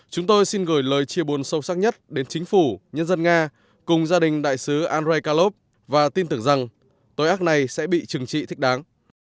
chúng tôi xin gửi lời chia buồn sâu sắc nhất đến chính phủ nhân dân nga cùng gia đình đại sứ andrei kalov và tin tưởng rằng tội ác này sẽ bị trừng trị thích đáng